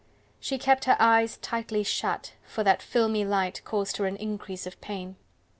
She kept her eyes tightly shut, for that filmy light caused her an increase of pain.